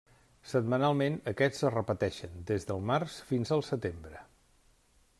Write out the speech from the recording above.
Setmanalment aquests es repeteixen, des del març fins al setembre.